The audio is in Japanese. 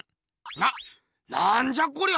ななんじゃこりゃ？